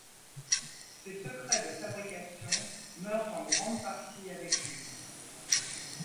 Ses secrets de fabrications meurent en grande partie avec lui.